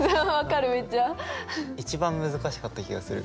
一番難しかった気がする。